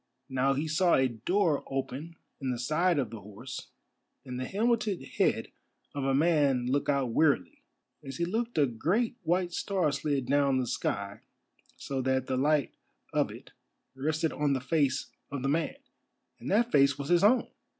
Now he saw a door open in the side of the horse, and the helmeted head of a man look out wearily. As he looked a great white star slid down the sky so that the light of it rested on the face of the man, and that face was his own!